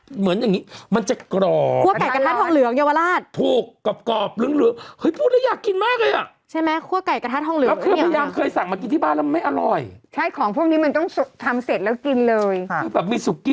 เหมือนกระทะที่มันทอดกรอบอย่างราดหน้าเขาก็จะเป็นเส้นใหญ่ทอดกรอบ